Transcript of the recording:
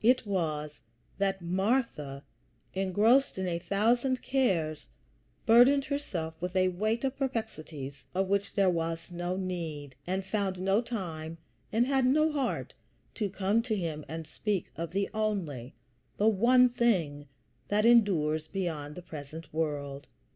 It was that Martha, engrossed in a thousand cares, burdened herself with a weight of perplexities of which there was no need, and found no time and had no heart to come to him and speak of the only, the one thing that endures beyond the present world.